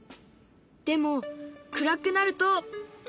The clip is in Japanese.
でも暗くなると。